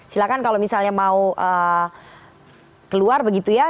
silahkan kalau misalnya mau keluar begitu ya